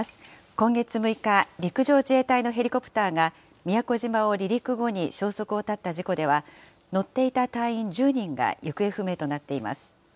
今月６日、陸上自衛隊のヘリコプターが宮古島を離陸後に消息を絶った事故では、乗っていた隊員１０人が行方不明となっています。